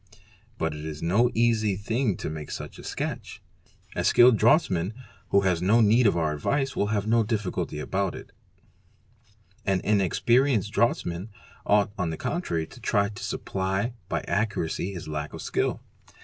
But it is no easy thing to make such a sketch. A skilled draughtsman, who has no need of our advice, will find no difficulty about it; an inexperi enced draughtsman ought on the contrary to try to supply by accuracy his lack of skill.